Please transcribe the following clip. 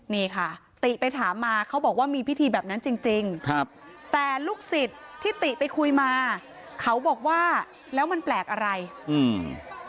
นี่ค่ะติไปถามมาเขาบอกว่ามีพิธีแบบนั้นจริงจริงครับแต่ลูกศิษย์ที่ติไปคุยมาเขาบอกว่าแล้วมันแปลกอะไรอืม